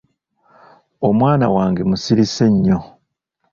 Omwana wange musirise nnyo.